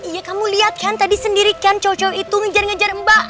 iya kamu lihat kan tadi sendiri kan cowok cowok itu ngejar ngejar mbak